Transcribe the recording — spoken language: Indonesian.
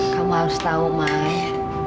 kamu harus tahu mai